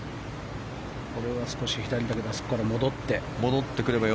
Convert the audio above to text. これは左だけどあそこから戻って。